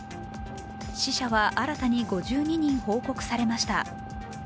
死者は新たに５２人報告されました。